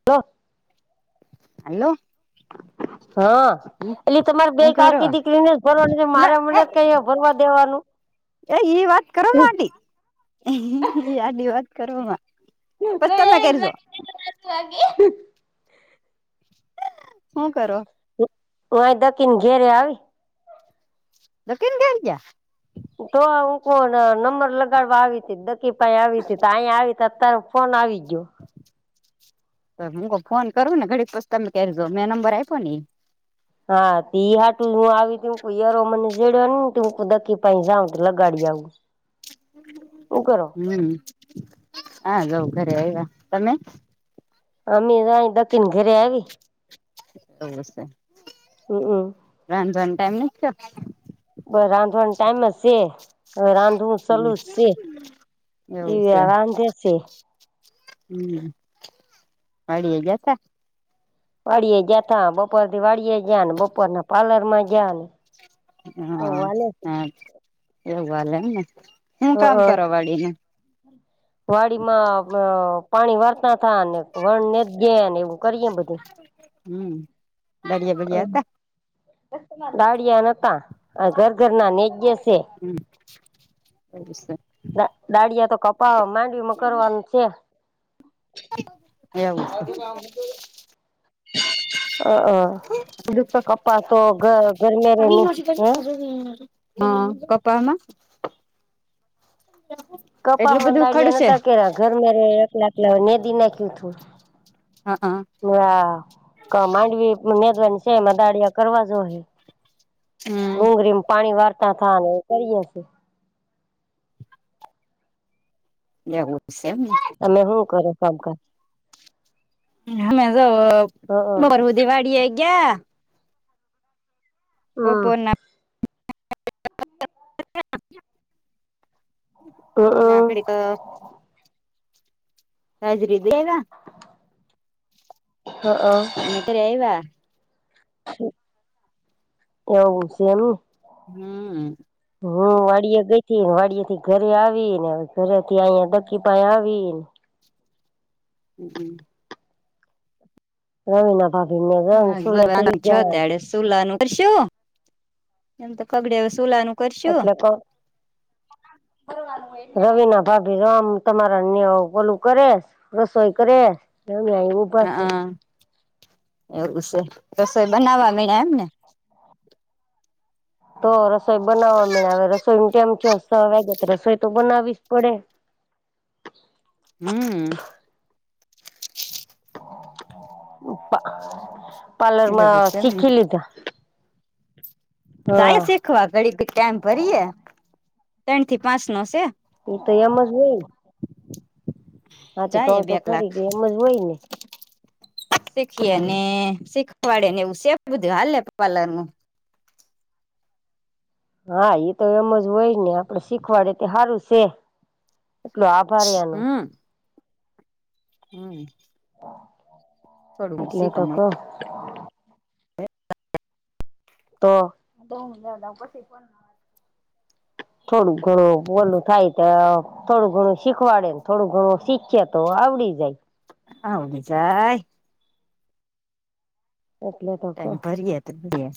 [inaudible] Hello. હા. હું એટલે તમારે બે કાકી કરો દીકરીને જ ભરવાનું છે લ મારે મમને જ કઈ ભરવા દેવાનું? એ એઈ વાત કર [inaudible] [unintelligible] વાત કરવામાં. પછ તમે કરજો [inaudible] ે હું કરો? હય દકીન ઘેરે આવી? દકીન ગરજયા? તો હુંક નંબર લગાડવા આવી ત દકી પાઈ આવી તી અહી આવી અત્યારે ફોન આવી ગયો. તો હું ફોન કરું ને ઘડી પછ તમે ક મેં નંબર આપ્યો નને. હા ઈ હાટું હું આવી ત યરો મને જેડ્યોને દકી પા જાઉ લગાડી આવું. હું કરો હમ હા જઉં ઘરે આવ્યા. તમે? અમી તો અહી તો ઘરે આવી [inaudible] [unintelligible] હમ હમ. રાંધવાની ટાઈમ [unintelligible] બ રાંધવાનો ટાઈઇમ જ છે. રાંધ હું સલુંશે દિવ એવું છે રાંધેશે. હમ. મળડી હે ગ હતા. વાડી જયા ત બપોર થી વાડી જ ને બપોરના પ્લર માં જ ને એવું હા હાલે હ છે એવું વાલે એમ ને હું કામ કરવા વાળીને? વાડી માં પાણી વારતા થા અને વણને ગેને એવું કરીએે બધું. હમ બળિયા બળિયા હતા. દાળિયા નતા આ ઘર ઘર ના ને જયા છે. હમ. [inaudible] દાળિયા તો કપા માંડવીમાં કરવાનું છે. [unintelligible] [unintelligible] અ હ છે કપ્પા તો ગ ગરમેરેની હે? હા કપામાં. એટલું કપાસમાં બધું દાળયા ખડશે નતા કે ઘરમાં ર એકલાલા નદી નાખ્યું તું. હ હ કમાંડવી મદવાની છે મ દાડિયા કરવા જો. ડુંગળીમાં પાણી આપ થા ઘરીએશે. એવું છે? એમ. તમે શું કરો કામકાજ? હમે તો હ હમ બરવ દી વાડી આગા હમ બહપર ના [unintelligible] [unintelligible] [inaudible] આખડીક અ હજરી દેવા હ અ નકર એ ઈ વાળા એવું છે એમ હમ્મ. હું વાડીયા ગઈ ને વાડિયા થી ઘરે આવી ને ઘરેથી અહુંયા દકી પાય આવીને હમ્મ હમ્મ. હઓ ન હા ભી નવ હા બ છ તડે સુલા નુ કરશું એમ તો કગડા સુલાનું કરશું એટલે તો રવિ ના ભાભી રામ તમારાને ન્યા બોલું કરે રસોઈ કરે એવું આવું હા હા એવું છે રસોઈ બનાવા મણ્યા એમ ને તો રસોઈ બનાવવા મેળવે રસોઈ માટે તેમ હસ્તા હવે ગેત રસોઈ તો બનાવી જ પડે હમ્મ. પા પાર્લર એવું માં છે એમને શીખી લીધા. જાય હા શીખવા ઘડી ટાઈમ ભરીએ ત્રણ થી પાંચ નો છેે. એ તો એમ જ હોય ને હાથી કઉ જાય બે તો કલાક ખરી કે એમજ હોય ને હમ શીખીને શીખવાડે ને એવું સે બધું હાલે પાર્લર નું હા એ તો એમજ હોય ને આપડે શીખવાડે તે સારું છે એટલું આભાર એનું હમ્મ. એટલે તો કહ શીખવા તો [unintelligible] થોડું ઘણું ઓલું થાય તો થોડું ઘણું શીખવાડે ને થોડું ઘણું શીખી તો આવડી જાય આવડી જાય એટલે તો કહ ટાઈમ ભરીએ તો ત્યાં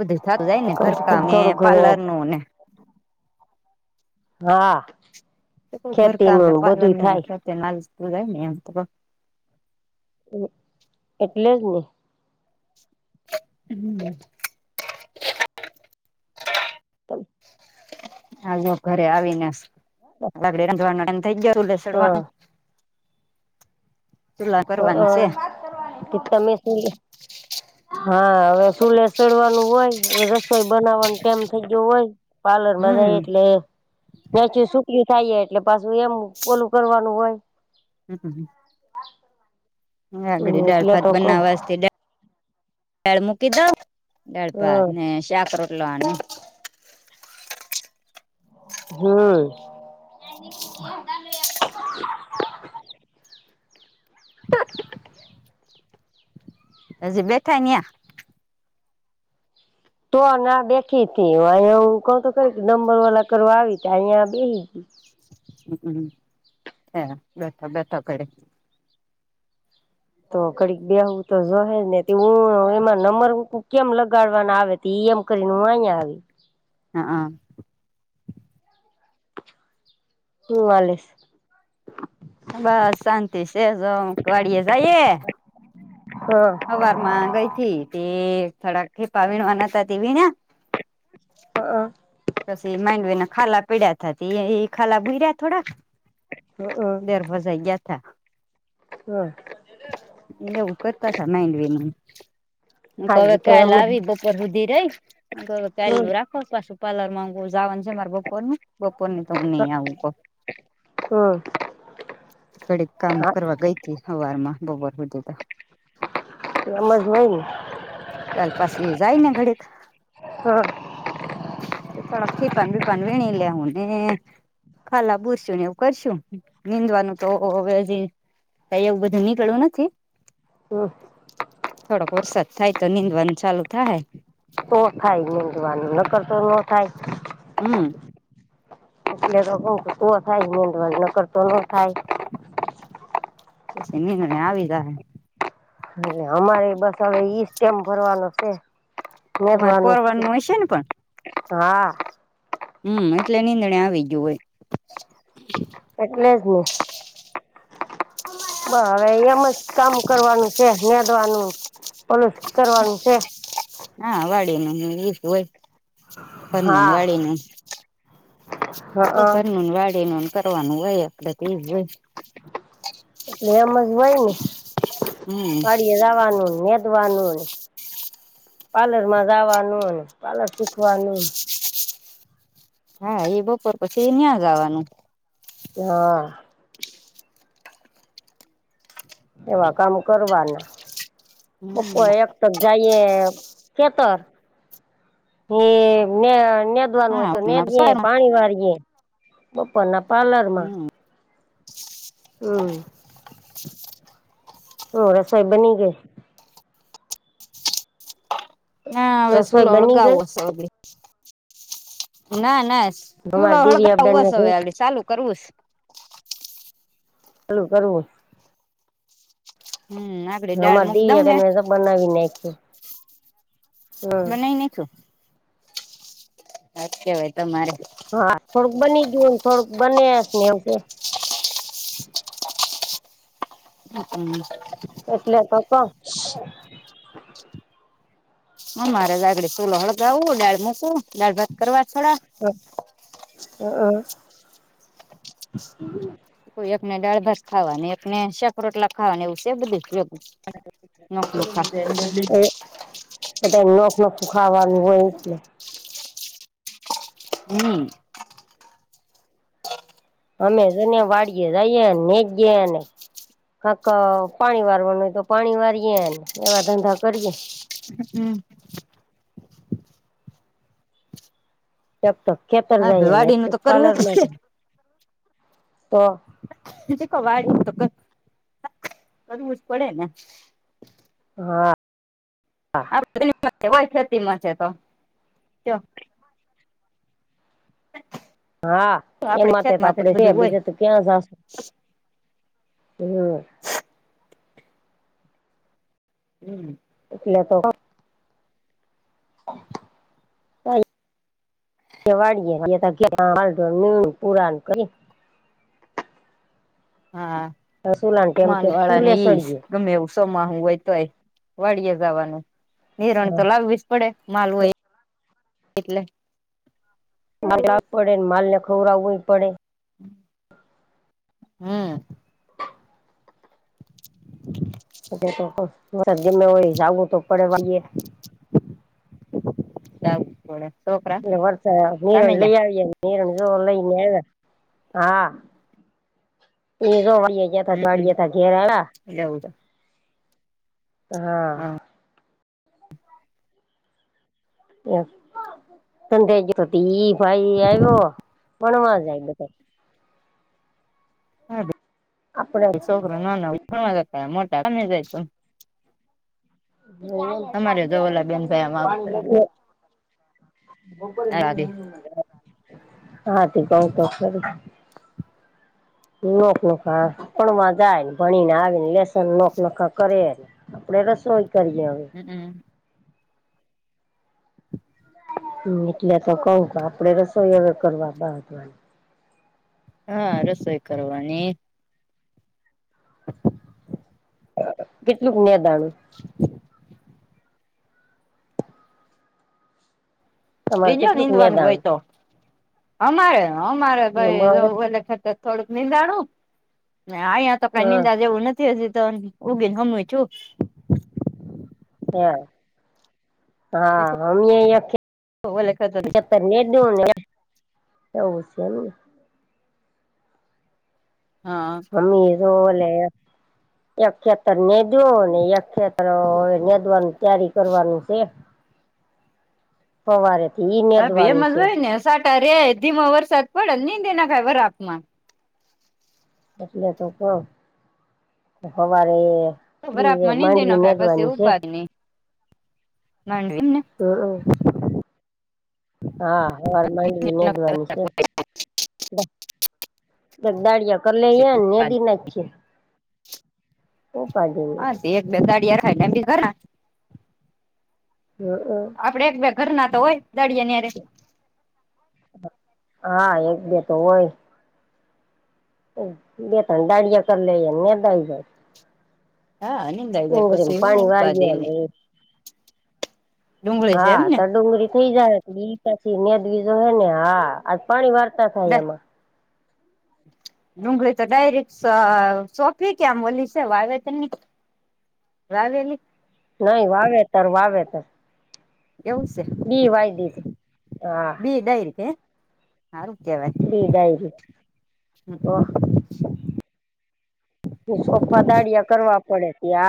બધું સારું જાય ને ઘરકામને થોડું ઘણું પાર્લર નું ને હા. ખેતી ઘરકામ ને નું પાલર બધું નુ ના થાય જાય ને એમ તો એટલે જ ને [inaudible] [inaudible] હા ઘરે આવીને લાગડી રાંધવાનું થઈ ગયા લઈ હા ચડવાનું ચૂલા કરવાનું હા છે હા તિતકા મેસ [inaudible] હા હવે ચુલે સડવાનું હોય રસોઈ બનાવવાનું ટાઈમ થઇ ગયો હોય પાર્લરમાં જ એ હમ એટલે નાચું સુખ્યું થાય એટલે પાછું એમ ઓલું કરવાનું હોય હમ્મ હમ્મ. વા અહીંયા કરી દાળ ભાત બનાવવા દાળ મૂકી દઉં ને દાળ હમ ભાતને શાક રોટલો આની હમ્મ. [inaudible] તો હ જ બેઠનયા તોને આ બેખી હતી અહીયા હું કહતો ક નંબર વાળલા કરવા આવી ત અહીંયા બેસી હમ્મ હે બેઠા બેઠા ક તો કડીક બે હું તો જહેજ ને હું એમાં નમરક કેમ લગાડવાના આવે તી અમકરી નુંહ આ આવી હા હા હમ વાલીશ બસ શાંતિ છેજ વાડિયે જઈએે હા સવાર માં ગઈ થી તે થડાક ખેપા વીણવાના ત તેવી ના [unintelligible] પછી મેડવેને ખા પીડ્યા થ એ ખા બૂહી રહ્યા થોડા [unintelligible] દર ભસાઈ ગયા તા. હા [inaudible] એવું કરતા થ માંડવી હ હા હવે તો ક્યાલ એમ આવી દ ઉપર સુધી રહી હ હ કલું રાખો પાું પ્લર માં જવાનું છે મારા બપોર નું. બપોર ને તો હું નહી આવું કહ હમ કડીક કામ હા કરવા ગઈ હતી અવાર માં બપોર વધે તો સમજ હો ને. ચાલ પાછ જાય ને ઘડ હા થોડા ખીપન બીપન વીણી લે હું ને ખાલા બુરશું ને એવું કરશું નીંદવાનું તો હવેજી કઈ એવું બધું નીકળવું નથી હા થોડોક વરસાદ થાય તો નીંદવાણ ચાલુ થાય તો થાય મંધવાનું નકરતો ન થાય હમ્મ [inaudible] એટલે થાય મેંદવાજ ન કરતો ન થાય પછ ન આવીધા [unintelligible] એટલે અમારે બસ હવે ઈ સ્ટેમ ભરવાનો છે. તમારે વાનું કોરવાનું હશે ને પણ હા હમ એટલે નીંદણે આવી ગયું હોય એટલે જ નને બ હવે એમ જ કામ કરવાનું છે ન્યાદવાનું પોલસ કરવાનું છે. હા વાડે ન હોય [unintelligible] ભરન હા વાળે ન હ ભર વાળે [unintelligible] કરવાનું હોય આપડ કેું હોય એટલે એમ જ હોય હમ નેડી કે દવાનુંને દવાનુંની પાર્લર માં જવાનું પાર્લર શીખવાનું હા એ બપોર પછી ન્યાં જવાનું હા એવા કામ કરવાના પપો હમ એક ત જઈએ કેતર હ [unintelligible] વાનું હોય તો નેે હા પાણી વાળીે બપોર ના પાર્લર માં હમ હમ હમ રસોઈ બની ગ ના હવે રસોઈ સુુંલો બની હળગાવ ગઈ હશે ના ના [unintelligible] શું ન અમારે હળગ દિવ્યા બેનને હવાસવેલી ચાલું કરવસ કરું કરું હમ ના અમાર દીયા બેને સબ બનાવી નાયખુ બનાઈને આજ કેવાય તમારે હા થોડુંક બની ગયું ને થોડુંક બને નેવુશે [inaudible] એટલે તો ક [unintelligible] દાળ ભાત કરવા છે [inaudible] હમ કોઈ એકને દાળ ભાત ખાવા એકને શાક રોટલા ખાવા નેવું છે, બધું નોખું ખા [unintelligible] ખાવાનું હોય એટલે હમ. અને જોની વાડીયે જઈએે ને ગયે ને કાક પાણી વારવાનું હોય તો પાણી વારીએે એવા ધંધા કરીએ હમ. એક તો ખેતર હા ભ જાયએ વાડીનું તો એક કરવું જ [unintelligible] તો [unintelligible] વાડી તો ક કરવુ જ પડે ને હા. [unintelligible] હોય ખેતીમાં છે, તો તયો હ હા એના માટે તો આપડે છે, બીજે તો ક્યાં જાશે [unintelligible] હમ. એટલે તો [unintelligible] હા સુલાન ટેમ છે માલ વાળા ને ચૂલે ઈશ સળીએ ગમે એવું સોમાંહું હોય તોય વાળિયે જાવાનું હિરણ તો લાવવી પડે માલ હોય એટલે [unintelligible] પડે ને માલ ને ખવરાવુય પડે હમ. [unintelligible] વરસાદ ગમે હોય જાવું તો પડે વાડીએ જાવુ પડે છોકરા [unintelligible] લઈ કામે જા આવીયે નિરણ જો લઈને આવ્યા હા [unintelligible] [unintelligible] હમમ વાડીએથા ઘેરે આયા [inaudible] હા. [unintelligible] ભાઈ આવ્યો ભણવા જાય બધે આપડે હા છોકરા નાના ભણવા જાતા [unintelligible] અમારે જો ઓલા બેન ભાઈ [unintelligible] [unintelligible] હા તે કઉ તો ખરી [unintelligible] ભણવા જાય ભણીને આવીને લેસ [unintelligible] આપડે રસોઈ કરીએ હવે [inaudible] હમ એટલે તો કવ આપડે રસોઈ [unintelligible] હા રસોઈ કરવાની કેટલુંક નેદાણુ [unintelligible] તમારે લેજો કેટલુંક નીંદવાનું હોય તો નેદાણું અમારે અમારે ભાઈ [unintelligible] એના કરતા થોડુંક નિંદાણું ને આયા તો હ કઈ નિંદા જેવું નથી હજી તો ઊંગી ને સમુ થયું. હા હા અમે હહીંયા ખેતર નીદીયુ ને [unintelligible] હ હ. હમિયે જો લે એક ખેતર નેડયુ ને એક ખેતર હવે નેદવાની તૈયાર કરવાની છે. સવારે થી ઈ હવે એમ નિદવાનું જ છે હોય ને સાટા રે ધીમાો વરસાદ પડે નીદી નખાય વરાખ માં. એટલે તો કહું સવારે વરાપમાં [unintelligible] નીંદી માંડવી નખાય પછી નેદવાની છે ઉપાધિ ની હમ. હા સવારે માંડવી નેદવાની છે. દાળિયા કરી લઈએ અને નેદી નાખીએ. ઉપાડી નઈ હા એક બે દાળિયા રખાય. હઅ. આપડે એક બે ઘરના તો હોય દાડિયાની સાથે. હા એક બે તો હોય. બે તન દાળિયા કરી લઈએ નેદાય જાય. હા નિંદાઈ જાય પછી ડુંગળીમાં હું પાણી વાળી ઉપાધિ ની દેવાનું ડુંગળી છે હા એમને તન. ડુંગળી થઈ જાય ઈ પછી નેદવી જોશે ને હા આ પાણી વારતા થાય એમાં. [unintelligible] ડુંગળી તો ડાયરેક્ટ સ સોંપી કે આમ ઓલી છે વાવે વાવેલી નઈ વાવેતર વાવેતર. એવું સે ઈ વાય દીધી. ઈ દઈ દે સારું કહેવાય. બી ડાયરી તો સોફા દાળિયા કરવા પડે.